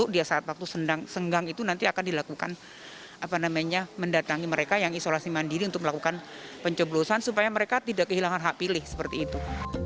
dia saat waktu senggang itu nanti akan dilakukan mendatangi mereka yang isolasi mandiri untuk melakukan penceblosan supaya mereka tidak kehilangan hak pilih seperti itu